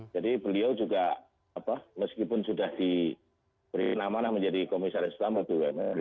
jadi beliau juga meskipun sudah diberi nama menjadi komisaris selama pbnu